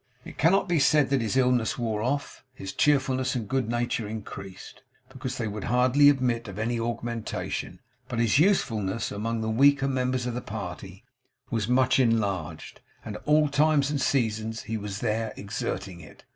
It cannot be said that as his illness wore off, his cheerfulness and good nature increased, because they would hardly admit of augmentation; but his usefulness among the weaker members of the party was much enlarged; and at all times and seasons there he was exerting it.